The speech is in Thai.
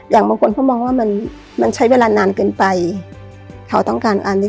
บางคนเขามองว่ามันมันใช้เวลานานเกินไปเขาต้องการอันนี้